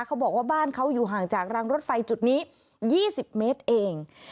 เขาบอกว่าบ้านเขาอยู่ห่างจากรางรถไฟจุดนี้๒๐เมตรเอง